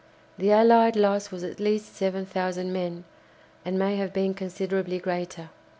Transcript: The allied loss was at least 7000 men, and may have been considerably greater.